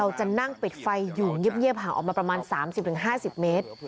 จะนั่งปิดไฟอยู่เงียบห่างออกมาประมาณ๓๐๕๐เมตร